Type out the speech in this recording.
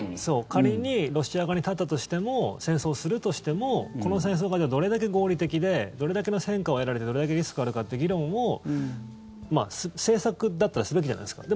仮にロシア側に立ったとしても戦争するとしてもこの戦争がどれだけ合理的でどれだけの戦果を得られてどれだけリスクがあるかっていう議論を政策だったらすべきじゃないですか。